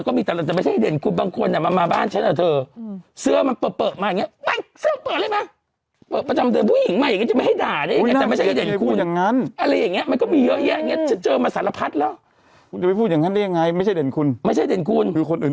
ใกล้กันเนี่ยนะครับก็พบผู้หญิงวัยกลางคน